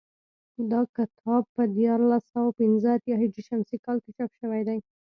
دا کتاب په دیارلس سوه پنځه اتیا هجري شمسي کال کې چاپ شوی دی